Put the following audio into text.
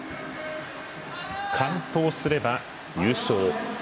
完登すれば優勝。